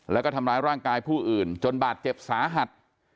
แล้วก็ทำร้ายร่างกายผู้อื่นจนบาดเจ็บสาหัส